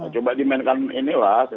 coba dimainkan ini lah